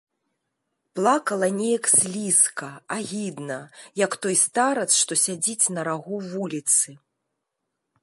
Плакала неяк слізка, агідна, як той старац, што сядзіць на рагу вуліцы.